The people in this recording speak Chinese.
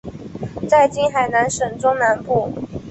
在今海南省中南部。